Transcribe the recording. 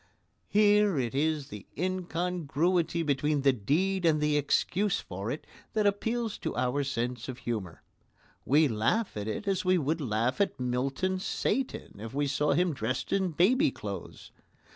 Here it is the incongruity between the deed and the excuse for it that appeals to our sense of humour. We laugh at it as we would laugh at Milton's Satan if we saw him dressed in baby clothes.